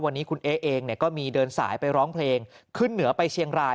วันนี้คุณเอ๊เองก็มีเดินสายไปร้องเพลงขึ้นเหนือไปเชียงราย